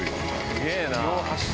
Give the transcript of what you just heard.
すげぇな。